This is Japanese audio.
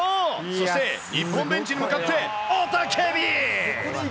そして、日本ベンチに向かって雄たけび。